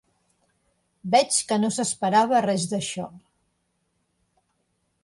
Veig que no s'esperava res d'això.